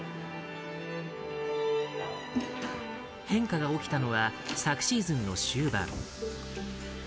変化が起きたのは昨シーズンの終盤。